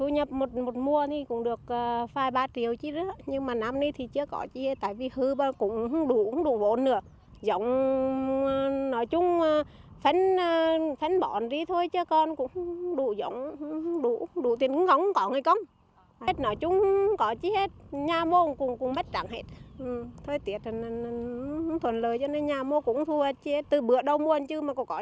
nhà mua cũng bất đẳng hết thời tiết không thuận lợi cho nên nhà mua cũng thu hạt chứ từ bữa đâu mua chứ mà có nhà mua thu hạt được cái chí mù